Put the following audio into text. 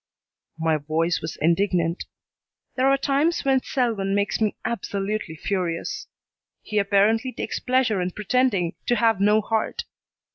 My voice was indignant. There are times when Selwyn makes me absolutely furious. He apparently takes pleasure in pretending to have no heart.